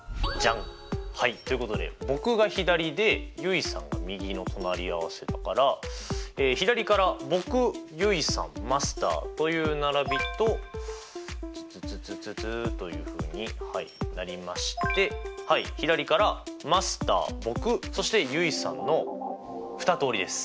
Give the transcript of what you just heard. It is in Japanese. ということで僕が左で結衣さんが右の隣り合わせだから左から僕結衣さんマスターという並びとツツツツツツというふうになりまして左からマスター僕そして結衣さんの２通りです。